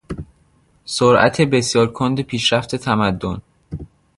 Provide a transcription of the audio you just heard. سرعت بسیار کند پیشرفت تمدن